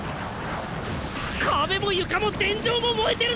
壁も床も天井も燃えてるぞ！